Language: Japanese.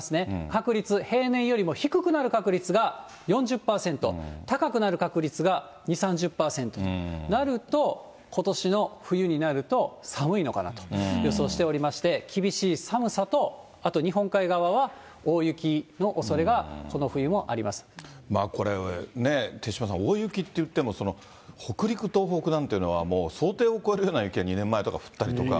確率、平年よりも低くなる確率が４０％、高くなる確率が２、３０％となると、ことしの冬になると、寒いのかなと予想しておりまして、厳しい寒さと、あと、日本海側は、大雪のおそれがこの冬これね、手嶋さん、大雪っていっても、北陸、東北なんていうのは、もう想定を超えるような雪が２年前とか降ったりとか。